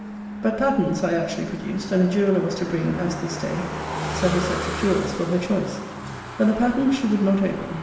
But patterns I actually produced; and a jeweller was to bring as this day several sets of jewels for her choice. But the patterns she would not open.